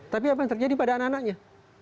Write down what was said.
tapi apa yang terjadi pada anak anaknya